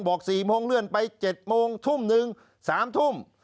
๔โมงเลื่อนไป๗โมงทุ่มนึง๓ทุ่ม